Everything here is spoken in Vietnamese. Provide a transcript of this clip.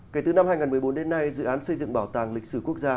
kể từ năm hai nghìn một mươi bốn đến nay dự án xây dựng bảo tàng lịch sử quốc gia